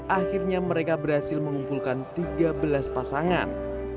akhirnya mereka berhasil mengumpulkan tiga belas pasangan